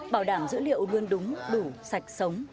bảo đảm dữ liệu luôn đúng đủ sạch sống